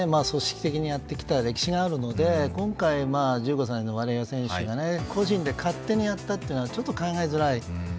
組織的にやってきた歴史があるので今回、１５歳のワリエワ選手が個人で勝手にやったというのはちょっと考えづらい。